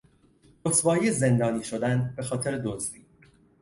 رسوایی زندانی شدن به خاطر دزدی